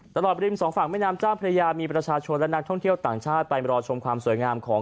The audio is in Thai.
บริมสองฝั่งแม่น้ำเจ้าพระยามีประชาชนและนักท่องเที่ยวต่างชาติไปรอชมความสวยงามของ